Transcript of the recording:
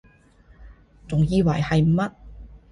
仲以為係乜????